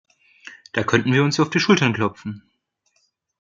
Da könnten wir uns ja auf die Schulter klopfen.